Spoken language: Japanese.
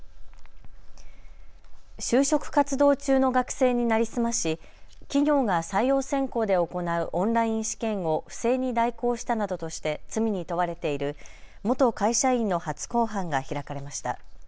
就職活動中の学生に成り済まし企業が採用選考で行うオンライン試験を不正に代行したなどとして罪に問われている元会社員の初公判が開かれました。